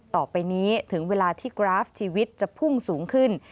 ต่อไปนี้ถึงเวลาที่กราฟชีวิตจะพุ่งสูงขึ้น